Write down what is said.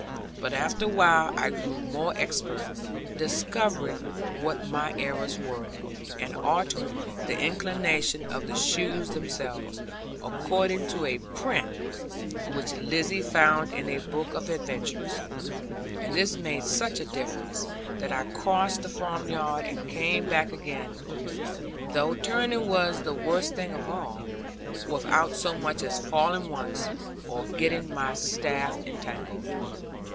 But after a while I grew more expert, discovering what my errors were, and altering the inclination of the shoes themselves, according to a print which Lizzie found in a book of adventures. And this made such a difference, that I crossed the farmyard and came back again (though turning was the worst thing of all) without so much as falling once, or getting my staff entangled.